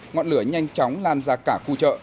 ngọn lửa nhanh chóng lan ra cả khu chợ